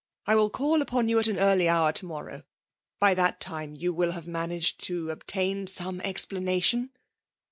I will call upon you at an early hour to morrow. By that time you will have managed to obtain some explanation